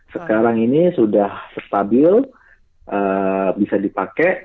sekarang ini sudah stabil bisa dipakai